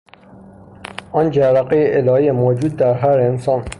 آن جرقهی الهی موجود در هر انسان